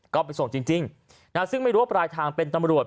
ก็ไปส่งจริงซึ่งไม่รู้ว่าปลายทางเป็นตำรวจ